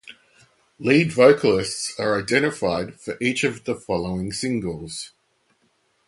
Lead vocalists are identified for each of the following singles.